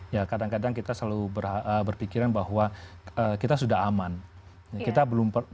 ya kadang kadang kita selalu berpikiran bahwa kita sudah aman kita belum diserang